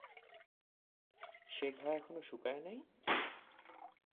সে ঘা এখনো শুকায় নাই?